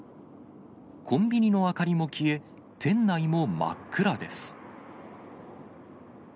コンビニの明かりも消え、店内も真っ暗です。